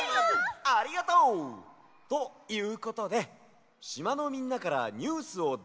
ありがとう！ということでしまのみんなからニュースをだ